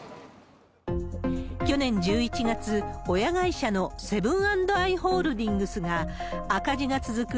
去年１１月、親会社のセブン＆アイ・ホールディングスが、赤字が続く